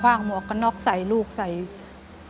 อเรนนี่คือเหตุการณ์เริ่มต้นหลอนช่วงแรกแล้วมีอะไรอีก